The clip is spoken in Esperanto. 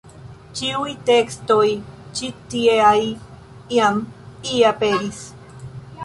Ĉiuj tekstoj ĉi-tieaj jam ie aperis.